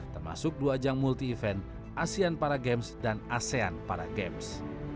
termasuk dua ajang multi event asean para games dan asean para games